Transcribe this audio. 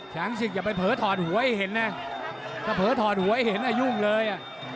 ศึกอย่าไปเผลอถอดหัวให้เห็นนะถ้าเผลอถอดหัวให้เห็นยุ่งเลย